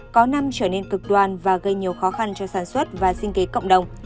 có năm trở nên cực đoan và gây nhiều khó khăn cho sản xuất và sinh kế cộng đồng